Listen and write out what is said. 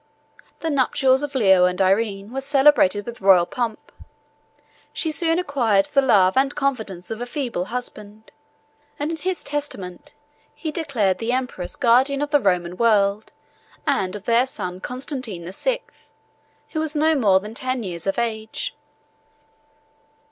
The nuptials of Leo and Irene were celebrated with royal pomp; she soon acquired the love and confidence of a feeble husband, and in his testament he declared the empress guardian of the Roman world, and of their son Constantine the Sixth, who was no more than ten years of age.